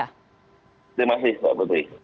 terima kasih mbak